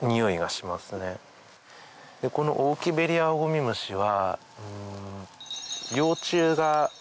このオオキベリアオゴミムシは。